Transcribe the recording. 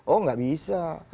oh tidak bisa